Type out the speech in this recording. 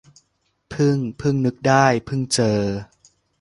เพิ่ง - เพิ่งนึกได้ เพิ่งเจอ